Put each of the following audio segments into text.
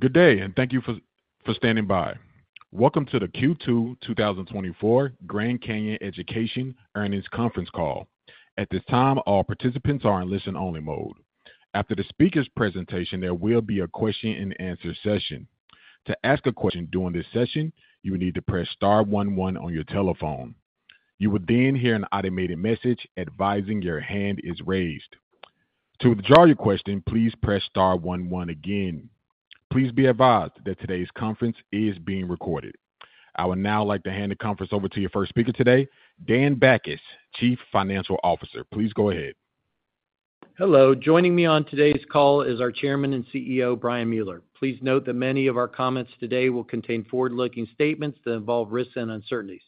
Good day, and thank you for standing by. Welcome to the Q2 2024 Grand Canyon Education Earnings Conference Call. At this time, all participants are in listen-only mode. After the speaker's presentation, there will be a question-and-answer session. To ask a question during this session, you will need to press star one one on your telephone. You will then hear an automated message advising your hand is raised. To withdraw your question, please press star one one again. Please be advised that today's conference is being recorded. I would now like to hand the conference over to your first speaker today, Dan Bachus, Chief Financial Officer. Please go ahead. Hello. Joining me on today's call is our Chairman and CEO, Brian Mueller. Please note that many of our comments today will contain forward-looking statements that involve risks and uncertainties.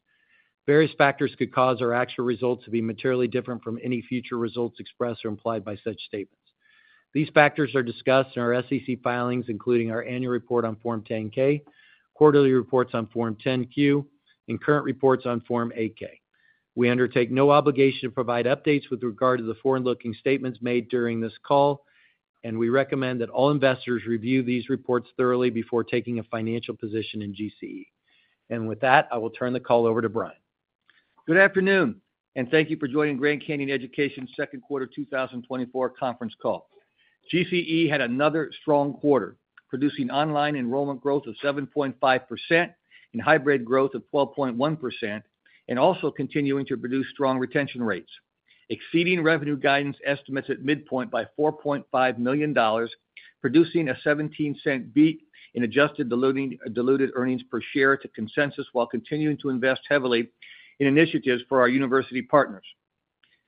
Various factors could cause our actual results to be materially different from any future results expressed or implied by such statements. These factors are discussed in our SEC filings, including our annual report on Form 10-K, quarterly reports on Form 10-Q, and current reports on Form 8-K. We undertake no obligation to provide updates with regard to the forward-looking statements made during this call, and we recommend that all investors review these reports thoroughly before taking a financial position in GCE. With that, I will turn the call over to Brian. Good afternoon, and thank you for joining Grand Canyon Education Second Quarter 2024 Conference Call. GCE had another strong quarter, producing online enrollment growth of 7.5% and hybrid growth of 12.1%, and also continuing to produce strong retention rates, exceeding revenue guidance estimates at midpoint by $4.5 million, producing a $0.17 beat in adjusted diluted earnings per share to consensus, while continuing to invest heavily in initiatives for our university partners.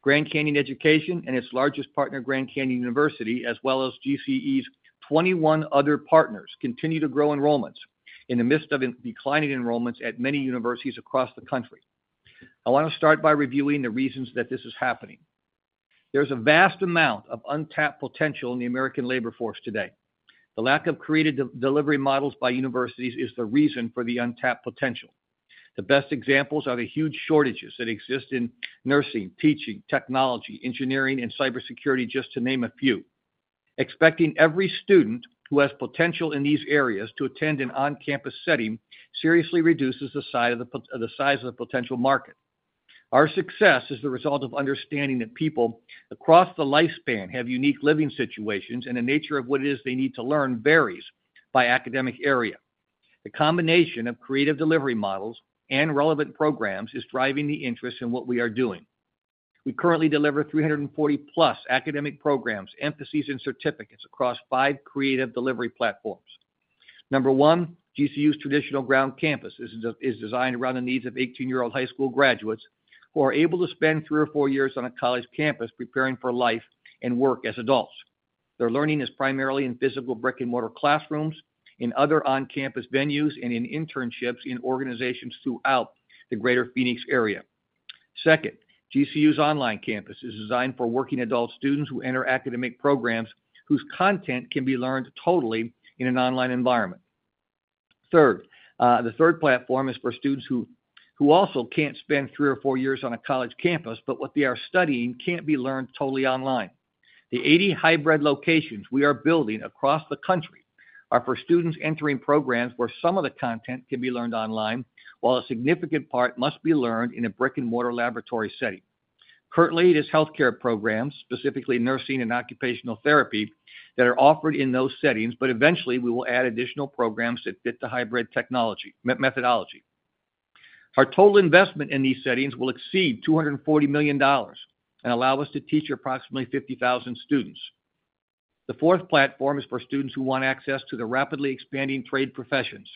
Grand Canyon Education and its largest partner, Grand Canyon University, as well as GCE's 21 other partners, continue to grow enrollments in the midst of declining enrollments at many universities across the country. I want to start by reviewing the reasons that this is happening. There's a vast amount of untapped potential in the American labor force today. The lack of creative delivery models by universities is the reason for the untapped potential. The best examples are the huge shortages that exist in nursing, teaching, technology, engineering, and cybersecurity, just to name a few. Expecting every student who has potential in these areas to attend an on-campus setting seriously reduces the size of the potential market. Our success is the result of understanding that people across the lifespan have unique living situations, and the nature of what it is they need to learn varies by academic area. The combination of creative delivery models and relevant programs is driving the interest in what we are doing. We currently deliver 340+ academic programs, emphases, and certificates across five creative delivery platforms. Number one, GCU's traditional ground campus is designed around the needs of 18-year-old high school graduates, who are able to spend 3 or 4 years on a college campus preparing for life and work as adults. Their learning is primarily in physical brick-and-mortar classrooms, in other on-campus venues, and in internships in organizations throughout the greater Phoenix area. Second, GCU's online campus is designed for working adult students who enter academic programs, whose content can be learned totally in an online environment. Third, the third platform is for students who also can't spend 3 or 4 years on a college campus, but what they are studying can't be learned totally online. The 80 hybrid locations we are building across the country are for students entering programs where some of the content can be learned online, while a significant part must be learned in a brick-and-mortar laboratory setting. Currently, it is healthcare programs, specifically nursing and occupational therapy, that are offered in those settings, but eventually, we will add additional programs that fit the hybrid technology methodology. Our total investment in these settings will exceed $240 million and allow us to teach approximately 50,000 students. The fourth platform is for students who want access to the rapidly expanding trade professions.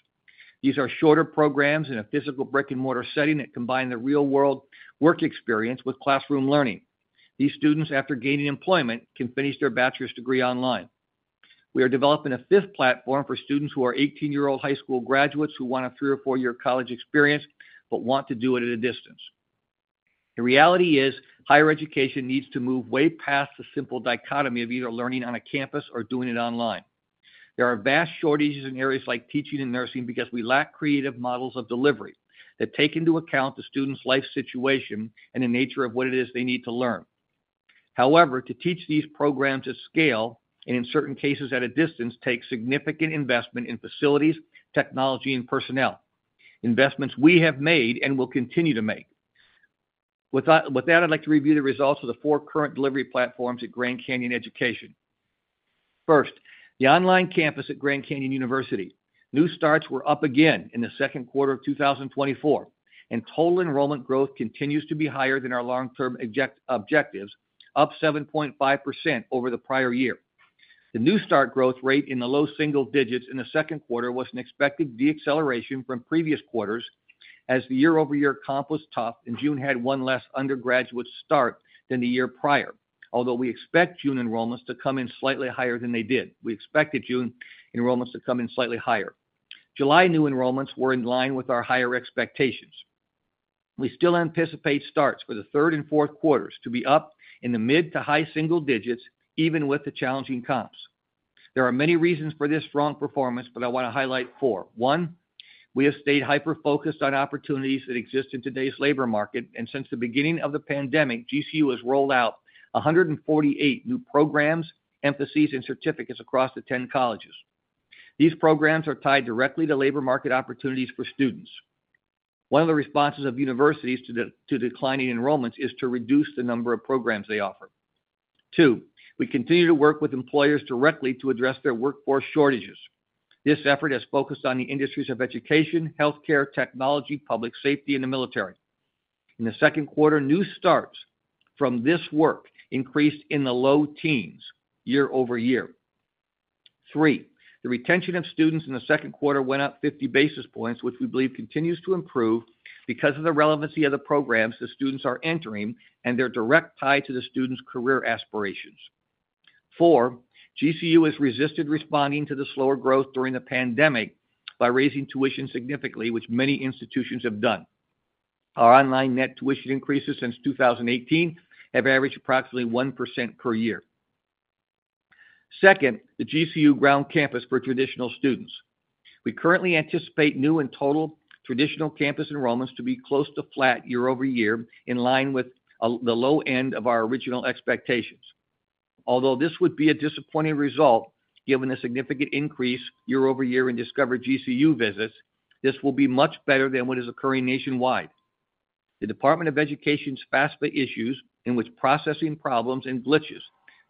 These are shorter programs in a physical brick-and-mortar setting that combine the real-world work experience with classroom learning. These students, after gaining employment, can finish their bachelor's degree online. We are developing a fifth platform for students who are 18-year-old high school graduates who want a 3- or 4-year college experience but want to do it at a distance. The reality is, higher education needs to move way past the simple dichotomy of either learning on a campus or doing it online. There are vast shortages in areas like teaching and nursing because we lack creative models of delivery that take into account the student's life situation and the nature of what it is they need to learn. However, to teach these programs at scale, and in certain cases at a distance, takes significant investment in facilities, technology, and personnel. Investments we have made and will continue to make. With that, with that, I'd like to review the results of the four current delivery platforms at Grand Canyon Education. First, the online campus at Grand Canyon University. New starts were up again in the second quarter of 2024, and total enrollment growth continues to be higher than our long-term objectives, up 7.5% over the prior year. The new start growth rate in the low single digits in the second quarter was an expected deceleration from previous quarters, as the year-over-year comp was tough, and June had one less undergraduate start than the year prior. Although we expect June enrollments to come in slightly higher than they did, we expected June enrollments to come in slightly higher. July new enrollments were in line with our higher expectations. We still anticipate starts for the third and fourth quarters to be up in the mid to high single digits, even with the challenging comps. There are many reasons for this strong performance, but I want to highlight four. One: We have stayed hyper-focused on opportunities that exist in today's labor market, and since the beginning of the pandemic, GCU has rolled out 148 new programs, emphases, and certificates across the 10 colleges. These programs are tied directly to labor market opportunities for students. One of the responses of universities to declining enrollments is to reduce the number of programs they offer. Two, we continue to work with employers directly to address their workforce shortages. This effort has focused on the industries of education, healthcare, technology, public safety, and the military. In the second quarter, new starts from this work increased in the low teens year-over-year. Three, the retention of students in the second quarter went up 50 basis points, which we believe continues to improve because of the relevancy of the programs the students are entering and their direct tie to the students' career aspirations. Four, GCU has resisted responding to the slower growth during the pandemic by raising tuition significantly, which many institutions have done. Our online net tuition increases since 2018 have averaged approximately 1% per year. Second, the GCU ground campus for traditional students. We currently anticipate new and total traditional campus enrollments to be close to flat year-over-year, in line with the low end of our original expectations. Although this would be a disappointing result, given the significant increase year-over-year in Discover GCU visits, this will be much better than what is occurring nationwide. The Department of Education's FAFSA issues, in which processing problems and glitches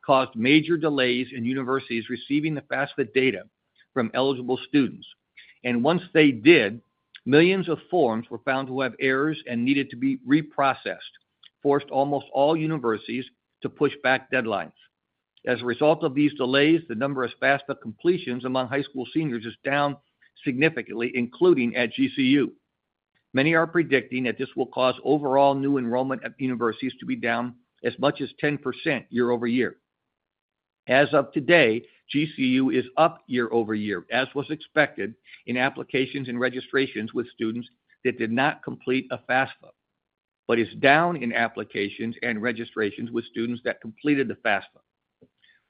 caused major delays in universities receiving the FAFSA data from eligible students, and once they did, millions of forms were found to have errors and needed to be reprocessed, forced almost all universities to push back deadlines. As a result of these delays, the number of FAFSA completions among high school seniors is down significantly, including at GCU. Many are predicting that this will cause overall new enrollment at universities to be down as much as 10% year-over-year. As of today, GCU is up year-over-year, as was expected, in applications and registrations with students that did not complete a FAFSA, but is down in applications and registrations with students that completed the FAFSA.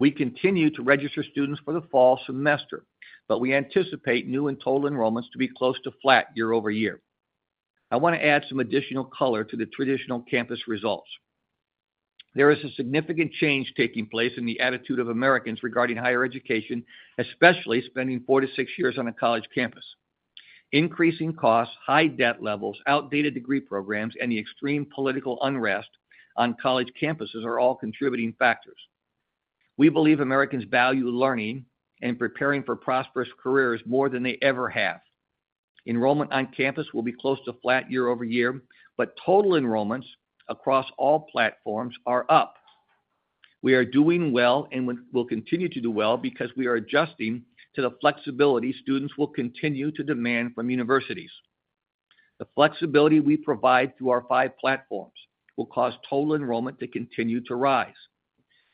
We continue to register students for the fall semester, but we anticipate new and total enrollments to be close to flat year-over-year. I wanna add some additional color to the traditional campus results. There is a significant change taking place in the attitude of Americans regarding higher education, especially spending four-to-six years on a college campus. Increasing costs, high debt levels, outdated degree programs, and the extreme political unrest on college campuses are all contributing factors. We believe Americans value learning and preparing for prosperous careers more than they ever have. Enrollment on campus will be close to flat year-over-year, but total enrollments across all platforms are up. We are doing well and we'll continue to do well because we are adjusting to the flexibility students will continue to demand from universities. The flexibility we provide through our five platforms will cause total enrollment to continue to rise.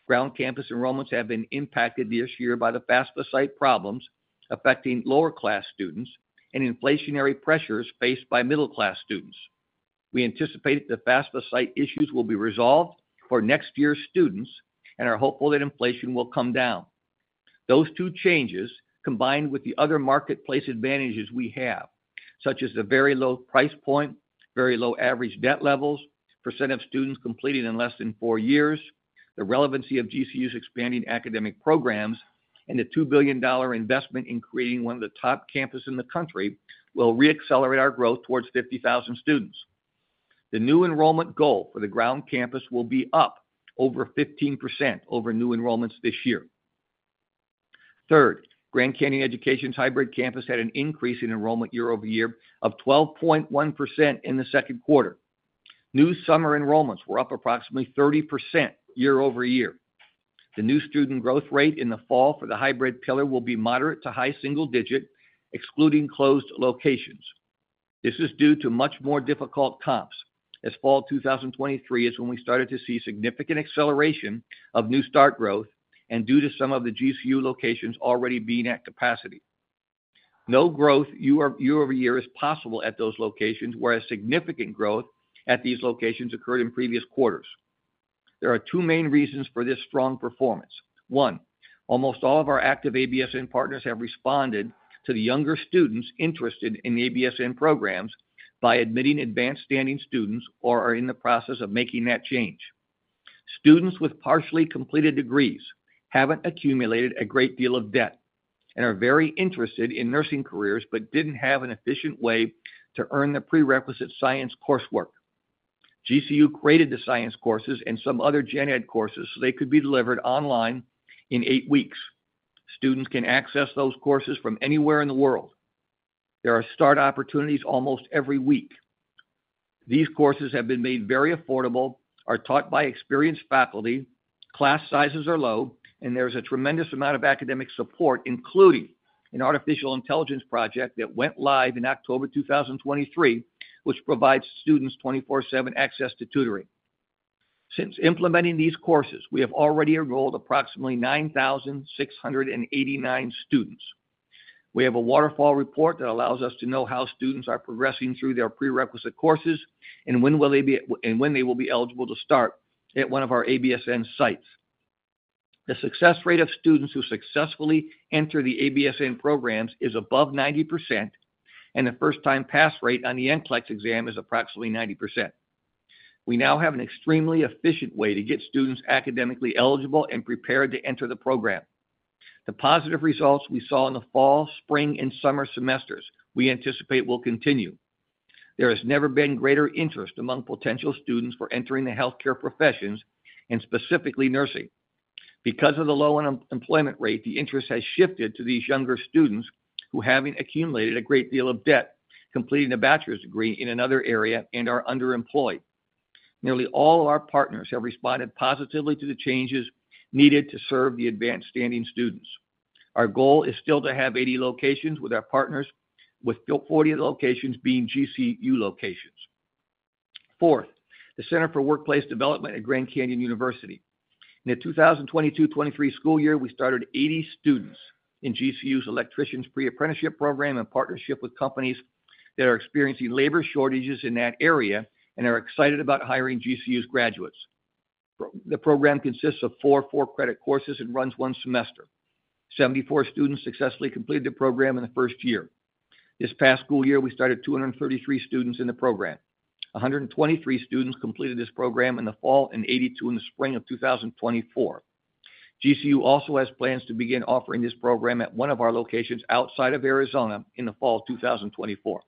Ground campus enrollments have been impacted this year by the FAFSA site problems affecting lower-class students and inflationary pressures faced by middle-class students. We anticipate the FAFSA site issues will be resolved for next year's students and are hopeful that inflation will come down. Those two changes, combined with the other marketplace advantages we have, such as the very low price point, very low average debt levels, percent of students completing in less than four years, the relevancy of GCU's expanding academic programs, and the $2 billion investment in creating one of the top campus in the country, will reaccelerate our growth towards 50,000 students. The new enrollment goal for the ground campus will be up over 15% over new enrollments this year. Third, Grand Canyon Education's hybrid campus had an increase in enrollment year-over-year of 12.1% in the second quarter. New summer enrollments were up approximately 30% year-over-year. The new student growth rate in the fall for the hybrid pillar will be moderate to high single digit, excluding closed locations. This is due to much more difficult comps, as fall 2023 is when we started to see significant acceleration of new start growth and due to some of the GCU locations already being at capacity. No growth year-over-year is possible at those locations, whereas significant growth at these locations occurred in previous quarters. There are two main reasons for this strong performance. 1, almost all of our active ABSN partners have responded to the younger students interested in ABSN programs by admitting advanced standing students or are in the process of making that change. Students with partially completed degrees haven't accumulated a great deal of debt and are very interested in nursing careers, but didn't have an efficient way to earn the prerequisite science coursework. GCU created the science courses and some other gen ed courses so they could be delivered online in 8 weeks. Students can access those courses from anywhere in the world. There are start opportunities almost every week. These courses have been made very affordable, are taught by experienced faculty, class sizes are low, and there's a tremendous amount of academic support, including an artificial intelligence project that went live in October 2023, which provides students 24/7 access to tutoring. Since implementing these courses, we have already enrolled approximately 9,689 students. We have a waterfall report that allows us to know how students are progressing through their prerequisite courses and when they will be eligible to start at one of our ABSN sites. The success rate of students who successfully enter the ABSN programs is above 90%, and the first-time pass rate on the NCLEX exam is approximately 90%. We now have an extremely efficient way to get students academically eligible and prepared to enter the program. The positive results we saw in the fall, spring, and summer semesters, we anticipate will continue. There has never been greater interest among potential students for entering the healthcare professions and specifically nursing. Because of the low unemployment rate, the interest has shifted to these younger students who, having accumulated a great deal of debt, completing a bachelor's degree in another area and are underemployed. Nearly all our partners have responded positively to the changes needed to serve the advanced standing students. Our goal is still to have 80 locations with our partners, with 40 locations being GCU locations. Fourth, the Center for Workforce Development at Grand Canyon University. In the 2022/2023 school year, we started 80 students in GCU's Electricians Pre-Apprenticeship Program in partnership with companies that are experiencing labor shortages in that area and are excited about hiring GCU's graduates. The program consists of four, four-credit courses and runs one semester. 74 students successfully completed the program in the first year. This past school year, we started 233 students in the program. 123 students completed this program in the fall, and 82 in the spring of 2024. GCU also has plans to begin offering this program at one of our locations outside of Arizona in the fall of 2024.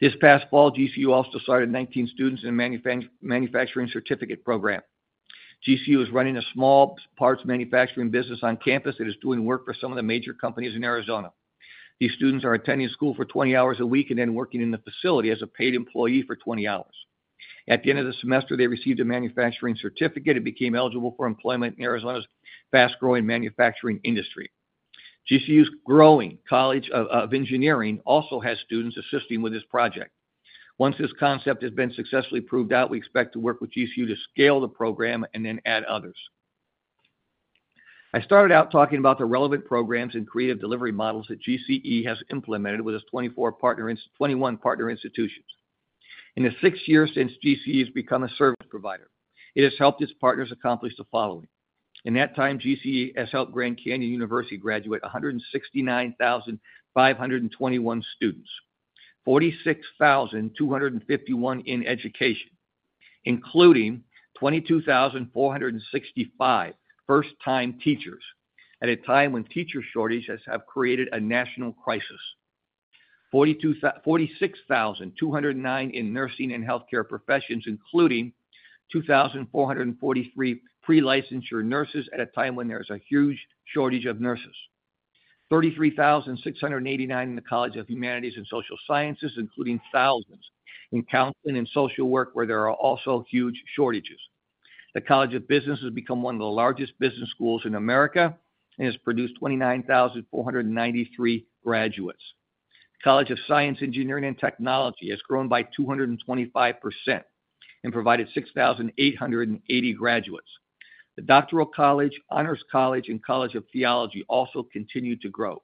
This past fall, GCU also started 19 students in a manufacturing certificate program. GCU is running a small parts manufacturing business on campus, and is doing work for some of the major companies in Arizona. These students are attending school for 20 hours a week and then working in the facility as a paid employee for 20 hours. At the end of the semester, they received a manufacturing certificate and became eligible for employment in Arizona's fast-growing manufacturing industry. GCU's growing College of Engineering also has students assisting with this project. Once this concept has been successfully proved out, we expect to work with GCU to scale the program and then add others. I started out talking about the relevant programs and creative delivery models that GCE has implemented with its 21 partner institutions. In the 6 years since GCE has become a service provider, it has helped its partners accomplish the following: In that time, GCE has helped Grand Canyon University graduate 169,521 students, 46,251 in education, including 22,465 first-time teachers, at a time when teacher shortages have created a national crisis. 46,209 in nursing and healthcare professions, including 2,443 pre-licensure nurses at a time when there's a huge shortage of nurses. 33,689 in the College of Humanities and Social Sciences, including thousands in counseling and social work, where there are also huge shortages. The College of Business has become one of the largest business schools in America and has produced 29,493 graduates. The College of Science, Engineering, and Technology has grown by 225% and provided 6,880 graduates. The Doctoral College, Honors College, and College of Theology also continued to grow.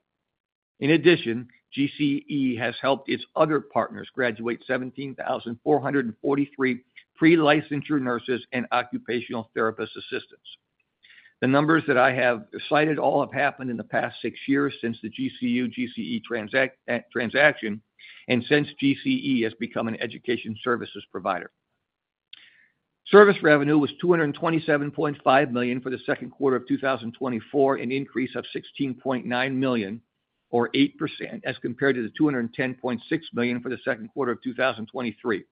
In addition, GCE has helped its other partners graduate 17,443 pre-licensure nurses and occupational therapist assistants. The numbers that I have cited all have happened in the past 6 years since the GCU GCE transaction, and since GCE has become an education services provider. Service revenue was $227.5 million for the second quarter of 2024, an increase of $16.9 million, or 8%, as compared to the $210.6 million for the second quarter of 2023.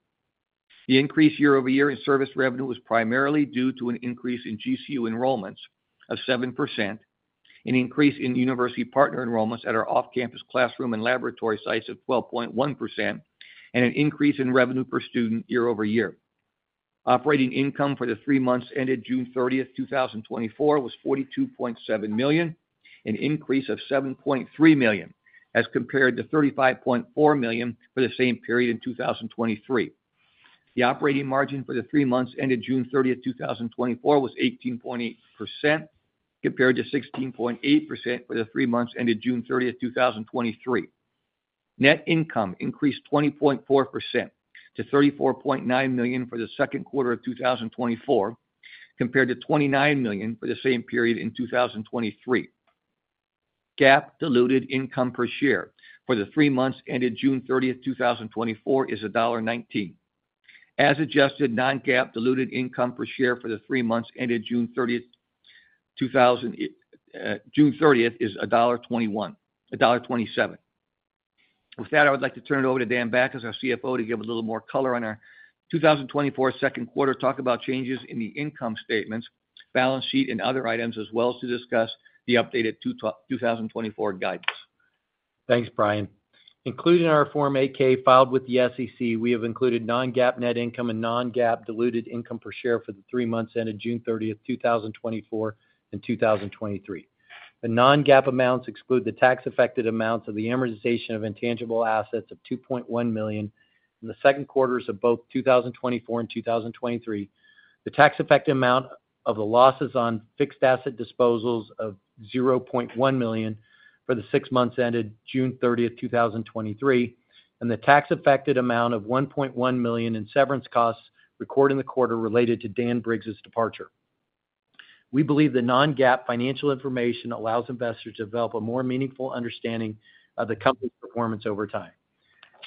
The increase year-over-year in service revenue was primarily due to an increase in GCU enrollments of 7%, an increase in university partner enrollments at our off-campus classroom and laboratory sites of 12.1%, and an increase in revenue per student year-over-year. Operating income for the three months ended June 30, 2024, was $42.7 million, an increase of $7.3 million, as compared to $35.4 million for the same period in 2023. The operating margin for the three months ended June 30, 2024, was 18.8%, compared to 16.8% for the three months ended June 30, 2023. Net income increased 20.4% to $34.9 million for the second quarter of 2024, compared to $29 million for the same period in 2023. GAAP diluted income per share for the three months ended June 30, 2024, is $1.19. As adjusted, non-GAAP diluted income per share for the three months ended June 30, 2024, is $1.27. With that, I would like to turn it over to Dan Bachus, our CFO, to give us a little more color on our 2024 second quarter, talk about changes in the income statements, balance sheet, and other items, as well as to discuss the updated 2024 guidance. Thanks, Brian. Including our Form 8-K filed with the SEC, we have included non-GAAP net income and non-GAAP diluted income per share for the three months ended June 30, 2024 and 2023. The non-GAAP amounts exclude the tax-affected amounts of the amortization of intangible assets of $2.1 million in the second quarters of both 2024 and 2023, the tax effect amount of the losses on fixed asset disposals of $0.1 million for the six months ended June 30, 2023, and the tax-affected amount of $1.1 million in severance costs recorded in the quarter related to Dan Driggs's departure.... We believe the non-GAAP financial information allows investors to develop a more meaningful understanding of the company's performance over time.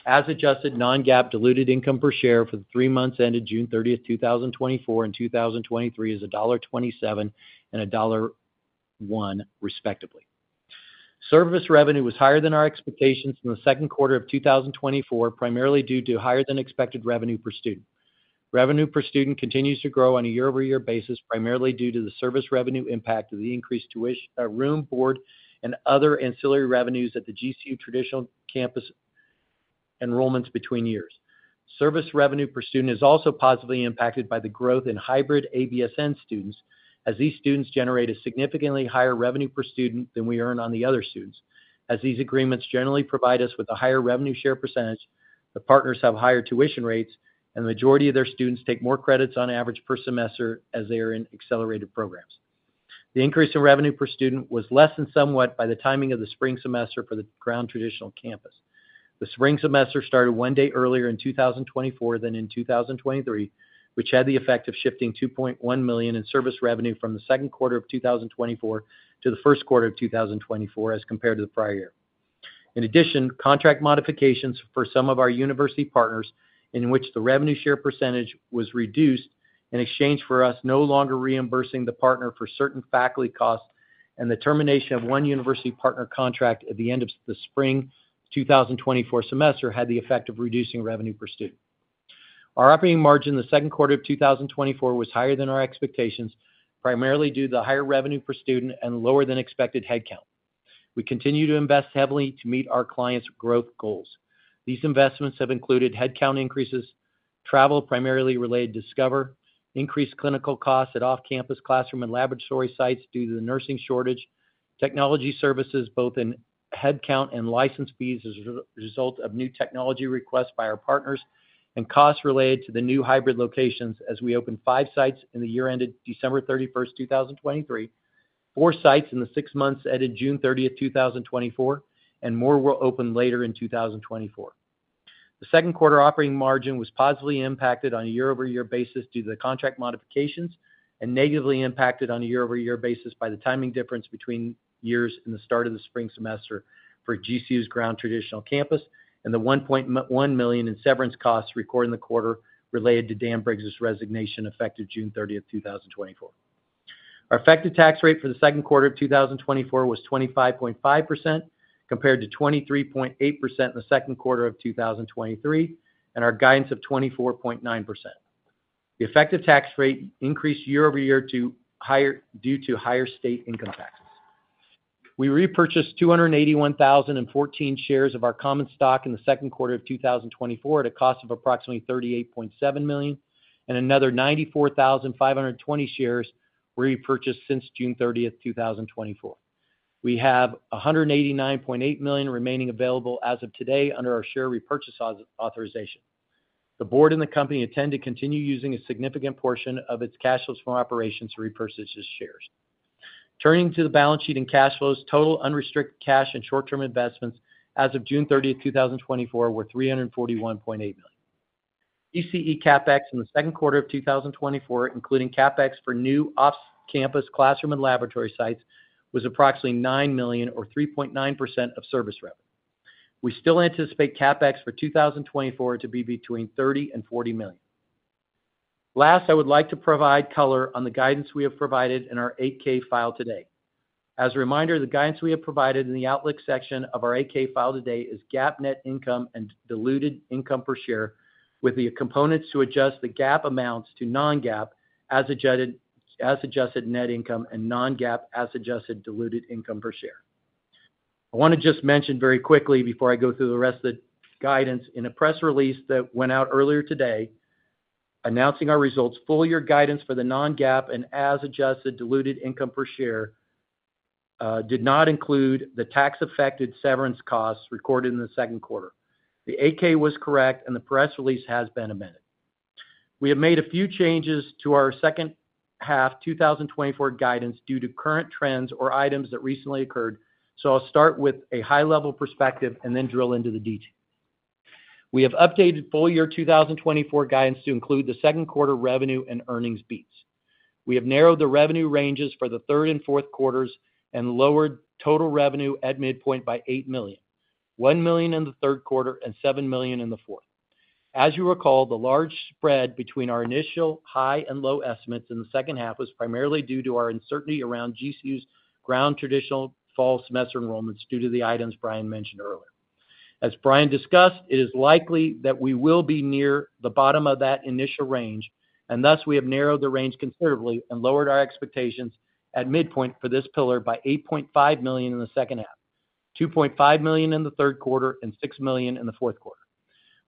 As adjusted, non-GAAP diluted income per share for the three months ended June 30, 2024 and 2023 is $1.27 and $1.01, respectively. Service revenue was higher than our expectations in the second quarter of 2024, primarily due to higher than expected revenue per student. Revenue per student continues to grow on a year-over-year basis, primarily due to the service revenue impact of the increased tuition, room, board, and other ancillary revenues at the GCU traditional campus enrollments between years. Service revenue per student is also positively impacted by the growth in hybrid ABSN students, as these students generate a significantly higher revenue per student than we earn on the other students. As these agreements generally provide us with a higher revenue share percentage, the partners have higher tuition rates, and the majority of their students take more credits on average per semester as they are in accelerated programs. The increase in revenue per student was offset somewhat by the timing of the spring semester for the on-ground traditional campus. The spring semester started one day earlier in 2024 than in 2023, which had the effect of shifting $2.1 million in service revenue from the second quarter of 2024 to the first quarter of 2024 as compared to the prior year. In addition, contract modifications for some of our university partners, in which the revenue share percentage was reduced in exchange for us no longer reimbursing the partner for certain faculty costs, and the termination of one university partner contract at the end of the spring 2024 semester, had the effect of reducing revenue per student. Our operating margin in the second quarter of 2024 was higher than our expectations, primarily due to the higher revenue per student and lower than expected headcount. We continue to invest heavily to meet our clients' growth goals. These investments have included headcount increases, travel, primarily related to Discover, increased clinical costs at off-campus classroom and laboratory sites due to the nursing shortage, technology services, both in headcount and license fees, as a result of new technology requests by our partners, and costs related to the new hybrid locations as we opened 5 sites in the year ended December 31, 2023, 4 sites in the six months ended June 30, 2024, and more will open later in 2024. The second quarter operating margin was positively impacted on a year-over-year basis due to the contract modifications, and negatively impacted on a year-over-year basis by the timing difference between years and the start of the spring semester for GCU's ground traditional campus, and the $1 million in severance costs recorded in the quarter related to Dan Driggs resignation, effective June thirtieth, 2024. Our effective tax rate for the second quarter of 2024 was 25.5%, compared to 23.8% in the second quarter of 2023, and our guidance of 24.9%. The effective tax rate increased year-over-year due to higher state income taxes. We repurchased 281,014 shares of our common stock in the second quarter of 2024 at a cost of approximately $38.7 million, and another 94,520 shares were repurchased since June 30, 2024. We have $189.8 million remaining available as of today under our share repurchase authorization. The board and the company intend to continue using a significant portion of its cash flows from operations to repurchase its shares. Turning to the balance sheet and cash flows, total unrestricted cash and short-term investments as of June 30, 2024, were $341.8 million. GCE CapEx in the second quarter of 2024, including CapEx for new off-campus classroom and laboratory sites, was approximately $9 million or 3.9% of service revenue. We still anticipate CapEx for 2024 to be between $30 million-$40 million. Last, I would like to provide color on the guidance we have provided in our 8-K file today. As a reminder, the guidance we have provided in the outlook section of our 8-K file today is GAAP net income and diluted income per share, with the components to adjust the GAAP amounts to non-GAAP, as adjusted net income and non-GAAP as adjusted diluted income per share. I want to just mention very quickly before I go through the rest of the guidance, in a press release that went out earlier today, announcing our results, full year guidance for the non-GAAP and as adjusted diluted income per share did not include the tax-affected severance costs recorded in the second quarter. The 8-K was correct, and the press release has been amended. We have made a few changes to our second half 2024 guidance due to current trends or items that recently occurred, so I'll start with a high-level perspective and then drill into the details. We have updated full year 2024 guidance to include the second quarter revenue and earnings beats. We have narrowed the revenue ranges for the third and fourth quarters and lowered total revenue at midpoint by $8 million, $1 million in the third quarter and $7 million in the fourth. As you recall, the large spread between our initial high and low estimates in the second half was primarily due to our uncertainty around GCU's ground traditional fall semester enrollments due to the items Brian mentioned earlier. As Brian discussed, it is likely that we will be near the bottom of that initial range, and thus we have narrowed the range considerably and lowered our expectations at midpoint for this pillar by $8.5 million in the second half, $2.5 million in the third quarter, and $6 million in the fourth quarter.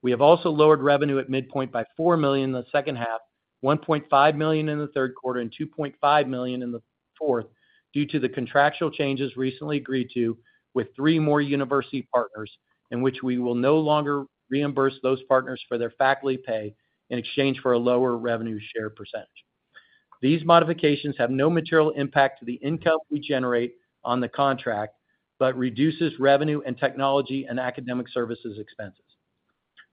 We have also lowered revenue at midpoint by $4 million in the second half, $1.5 million in the third quarter, and $2.5 million in the fourth, due to the contractual changes recently agreed to with three more university partners, in which we will no longer reimburse those partners for their faculty pay in exchange for a lower revenue share percentage. These modifications have no material impact to the income we generate on the contract, but reduces revenue and technology and academic services expenses.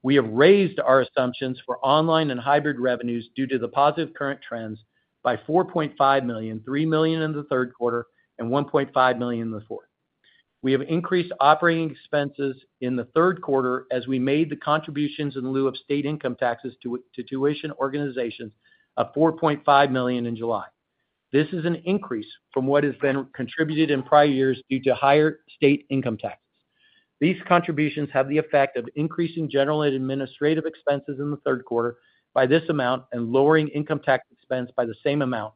We have raised our assumptions for online and hybrid revenues due to the positive current trends by $4.5 million, $3 million in the third quarter and $1.5 million in the fourth. We have increased operating expenses in the third quarter as we made the contributions in lieu of state income taxes to tuition organizations of $4.5 million in July. This is an increase from what has been contributed in prior years due to higher state income taxes. These contributions have the effect of increasing general and administrative expenses in the third quarter by this amount and lowering income tax expense by the same amount,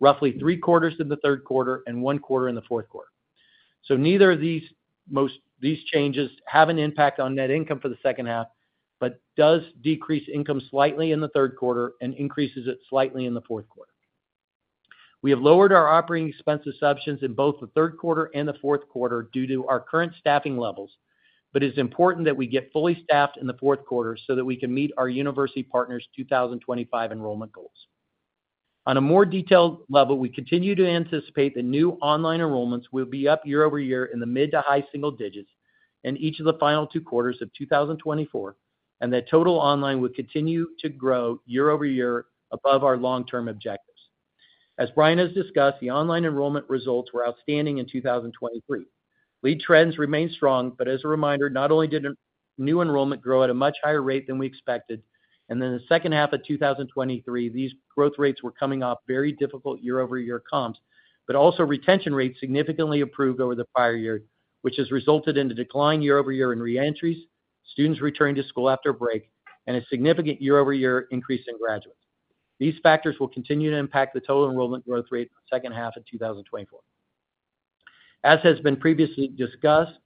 roughly three quarters in the third quarter and one quarter in the fourth quarter. So neither of these these changes have an impact on net income for the second half, but does decrease income slightly in the third quarter and increases it slightly in the fourth quarter. We have lowered our operating expense assumptions in both the third quarter and the fourth quarter due to our current staffing levels, but it's important that we get fully staffed in the fourth quarter so that we can meet our university partners' 2025 enrollment goals. On a more detailed level, we continue to anticipate the new online enrollments will be up year-over-year in the mid to high single digits in each of the final two quarters of 2024, and that total online will continue to grow year-over-year above our long-term objectives. As Brian has discussed, the online enrollment results were outstanding in 2023. Lead trends remain strong, but as a reminder, not only did new enrollment grow at a much higher rate than we expected, and then in the second half of 2023, these growth rates were coming off very difficult year-over-year comps, but also retention rates significantly improved over the prior year, which has resulted in a decline year-over-year in reentries, students returning to school after a break, and a significant year-over-year increase in graduates. These factors will continue to impact the total enrollment growth rate in the second half of 2024. As has been previously discussed,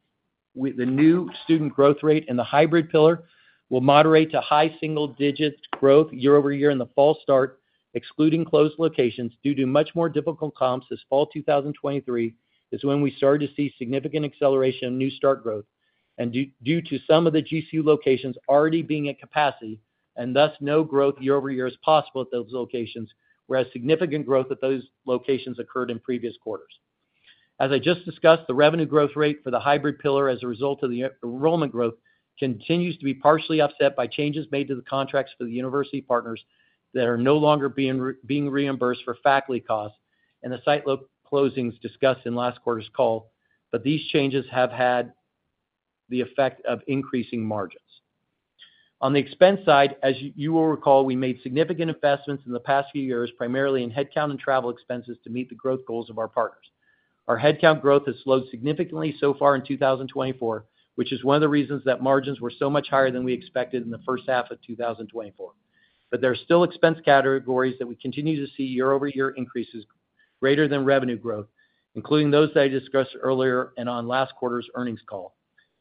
the new student growth rate in the hybrid pillar will moderate to high single digits growth year-over-year in the fall start, excluding closed locations, due to much more difficult comps as fall 2023 is when we started to see significant acceleration in new start growth, and due to some of the GCU locations already being at capacity, and thus no growth year-over-year is possible at those locations, whereas significant growth at those locations occurred in previous quarters. As I just discussed, the revenue growth rate for the hybrid pillar as a result of the enrollment growth continues to be partially offset by changes made to the contracts for the university partners that are no longer being reimbursed for faculty costs and the site closings discussed in last quarter's call, but these changes have had the effect of increasing margins. On the expense side, as you will recall, we made significant investments in the past few years, primarily in headcount and travel expenses, to meet the growth goals of our partners. Our headcount growth has slowed significantly so far in 2024, which is one of the reasons that margins were so much higher than we expected in the first half of 2024. But there are still expense categories that we continue to see year-over-year increases greater than revenue growth, including those that I discussed earlier and on last quarter's earnings call.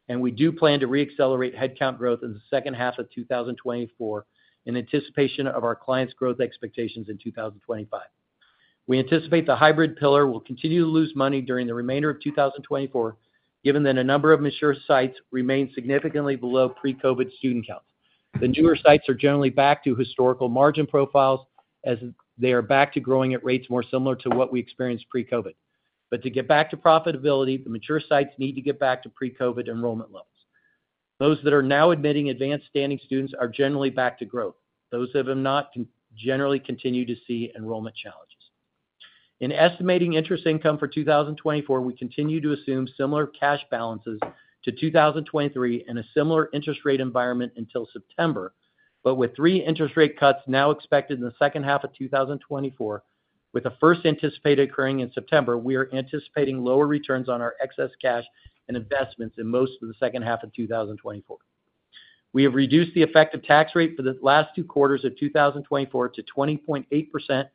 And we do plan to reaccelerate headcount growth in the second half of 2024 in anticipation of our clients' growth expectations in 2025. We anticipate the hybrid pillar will continue to lose money during the remainder of 2024, given that a number of mature sites remain significantly below pre-COVID student counts. The newer sites are generally back to historical margin profiles as they are back to growing at rates more similar to what we experienced pre-COVID. But to get back to profitability, the mature sites need to get back to pre-COVID enrollment levels. Those that are now admitting advanced standing students are generally back to growth. Those that have not, can generally continue to see enrollment challenges. In estimating interest income for 2024, we continue to assume similar cash balances to 2023 and a similar interest rate environment until September, but with three interest rate cuts now expected in the second half of 2024, with the first anticipated occurring in September, we are anticipating lower returns on our excess cash and investments in most of the second half of 2024. We have reduced the effective tax rate for the last two quarters of 2024 to 20.8%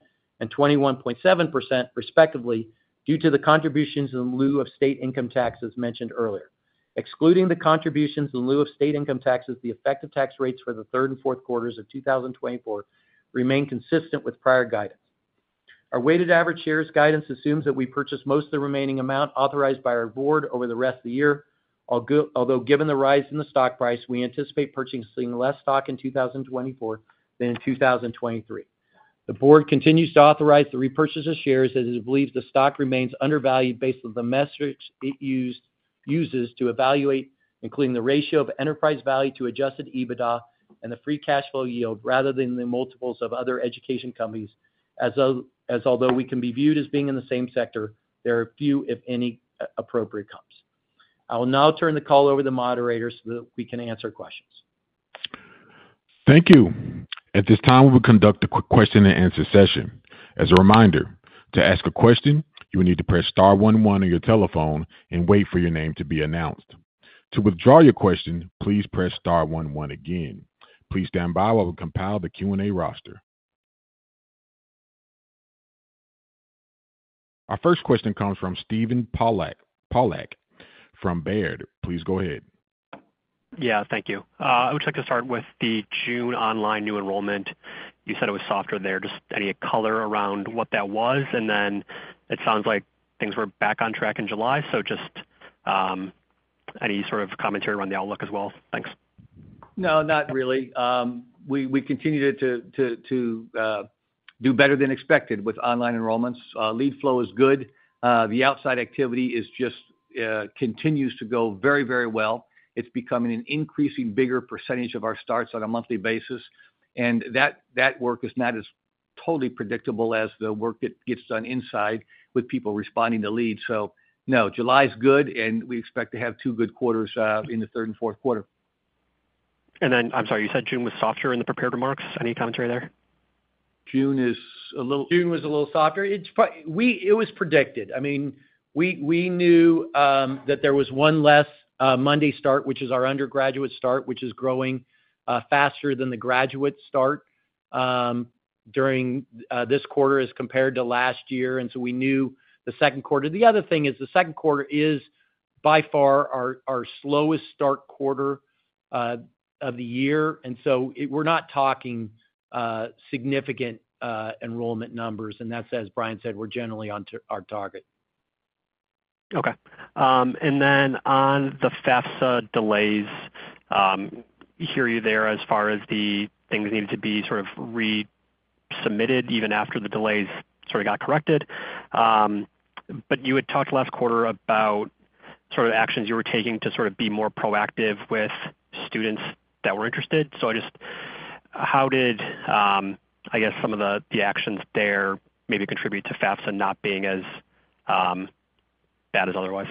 and 21.7%, respectively, due to the Contributions in Lieu of State Income Taxes mentioned earlier. Excluding the contributions in lieu of state income taxes, the effective tax rates for the third and fourth quarters of 2024 remain consistent with prior guidance. Our weighted average shares guidance assumes that we purchase most of the remaining amount authorized by our board over the rest of the year, although given the rise in the stock price, we anticipate purchasing less stock in 2024 than in 2023. The board continues to authorize the repurchase of shares, as it believes the stock remains undervalued based on the metrics it uses to evaluate, including the ratio of Enterprise Value to Adjusted EBITDA and the free cash flow yield, rather than the multiples of other education companies, as although we can be viewed as being in the same sector, there are few, if any, appropriate comps. I will now turn the call over to the moderators so that we can answer questions. Thank you. At this time, we'll conduct a question and answer session. As a reminder, to ask a question, you will need to press star one one on your telephone and wait for your name to be announced. To withdraw your question, please press star one one again. Please stand by while we compile the Q&A roster. Our first question comes from Steven Pawlak, Pawlak from Baird. Please go ahead. Yeah, thank you. I would like to start with the June online new enrollment. You said it was softer there. Just any color around what that was? And then it sounds like things were back on track in July. So just, any sort of commentary around the outlook as well? Thanks. No, not really. We continued to, Do better than expected with online enrollments. Lead flow is good. The outside activity is just continues to go very, very well. It's becoming an increasing bigger percentage of our starts on a monthly basis, and that work is not as totally predictable as the work that gets done inside with people responding to leads. So no, July is good, and we expect to have two good quarters in the third and fourth quarter. And then, I'm sorry, you said June was softer in the prepared remarks. Any commentary there? June was a little softer. It was predicted. I mean, we knew that there was one less Monday start, which is our undergraduate start, which is growing faster than the graduate start during this quarter as compared to last year, and so we knew the second quarter. The other thing is, the second quarter is, by far, our slowest start quarter of the year, and so we're not talking significant enrollment numbers, and that's, as Brian said, we're generally on to our target. Okay. And then on the FAFSA delays, hear you there as far as the things needed to be sort of resubmitted even after the delays sort of got corrected. But you had talked last quarter about sort of actions you were taking to sort of be more proactive with students that were interested. So I just... How did, I guess, some of the, the actions there maybe contribute to FAFSA not being as bad as otherwise?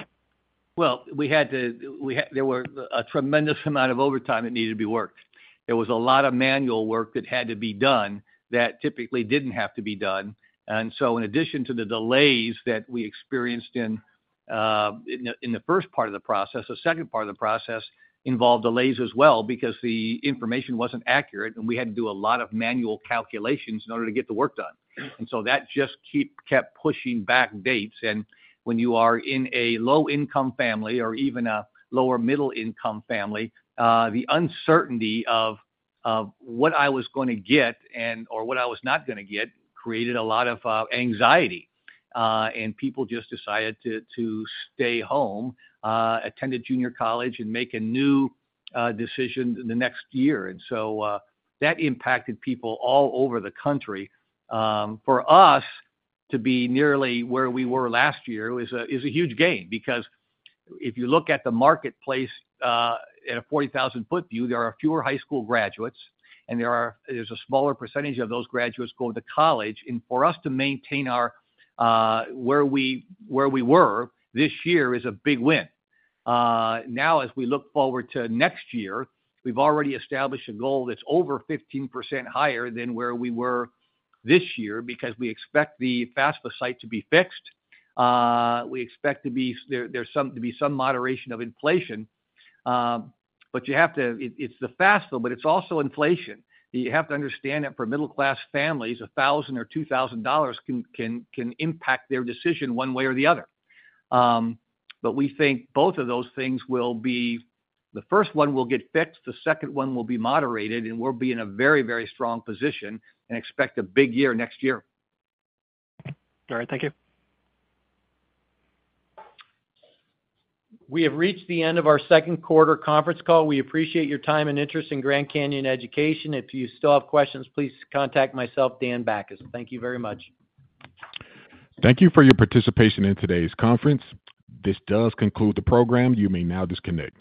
Well, there were a tremendous amount of overtime that needed to be worked. There was a lot of manual work that had to be done that typically didn't have to be done. And so in addition to the delays that we experienced in the first part of the process, the second part of the process involved delays as well, because the information wasn't accurate, and we had to do a lot of manual calculations in order to get the work done. And so that just kept pushing back dates. When you are in a low-income family or even a lower middle-income family, the uncertainty of what I was gonna get and, or what I was not gonna get, created a lot of anxiety, and people just decided to stay home, attend a junior college, and make a new decision the next year. So, that impacted people all over the country. For us, to be nearly where we were last year is a huge gain because if you look at the marketplace, at a 40,000-foot view, there are fewer high school graduates, and there's a smaller percentage of those graduates going to college. For us to maintain our where we were this year is a big win. Now, as we look forward to next year, we've already established a goal that's over 15% higher than where we were this year, because we expect the FAFSA site to be fixed. We expect some moderation of inflation. But you have to... It's the FAFSA, but it's also inflation. You have to understand that for middle-class families, $1,000 or $2,000 can impact their decision one way or the other. But we think both of those things will be... The first one will get fixed, the second one will be moderated, and we'll be in a very, very strong position and expect a big year next year. All right. Thank you. We have reached the end of our second quarter conference call. We appreciate your time and interest in Grand Canyon Education. If you still have questions, please contact myself, Dan Bachus. Thank you very much. Thank you for your participation in today's conference. This does conclude the program. You may now disconnect.